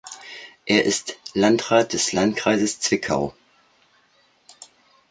Er ist Landrat des Landkreises Zwickau.